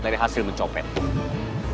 dari hasil mencopotnya